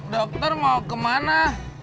dokter mau ke mana